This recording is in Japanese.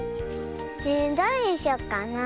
えどれにしよっかなあ。